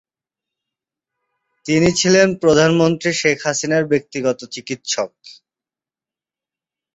তিনি ছিলেন প্রধানমন্ত্রী শেখ হাসিনার ব্যক্তিগত চিকিৎসক।